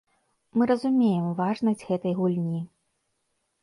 Мы разумеем важнасць гэтай гульні.